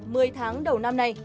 mười tháng đầu năm nay